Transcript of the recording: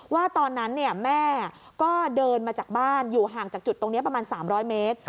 ว่าตอนนั้นแม่ก็เดินมาจากบ้านอยู่ห่างจากจุดตรงนี้ประมาณ๓๐๐เมตร